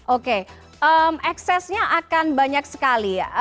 oke eksesnya akan banyak sekali ya